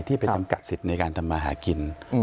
ไปจำกัดสิทธิ์ในการทำมาหากิน